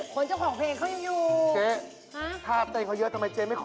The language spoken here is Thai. ขอเจ้าทั้งตัวและใจ